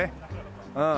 うん。